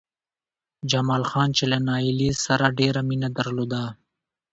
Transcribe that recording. جمال خان چې له نايلې سره يې ډېره مينه درلوده